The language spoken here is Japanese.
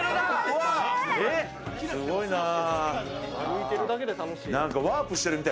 すごいなぁ。